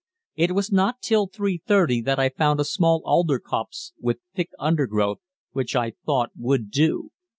It was not till 3.30 that I found a small alder copse with thick undergrowth, which I thought would do.